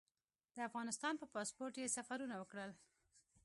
د افغانستان په پاسپورټ یې سفرونه وکړل.